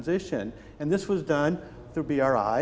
dan ini dilakukan melalui bri